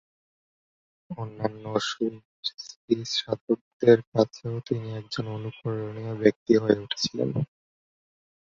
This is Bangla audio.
অন্যান্য সুফি সাধকদের কাছেও তিনি একজন অনুকরণীয় ব্যক্তি হয়ে উঠেছিলেন।